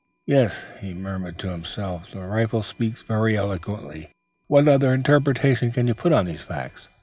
Yes," he murmured to himself, "the rifle speaks very eloquently. What other interpretation can be put on these facts?